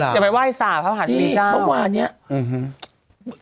จะไปไหว้สระภาพมหาธวีเจ้านี่เมื่อวานเนี้ยอืมฮึ